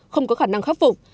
không có khả năng khắc phục